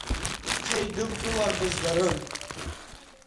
Бҽеидыбкылар, бызгарын.